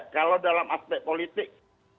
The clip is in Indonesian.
kalau dalam aspek politik